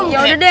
ya udah deh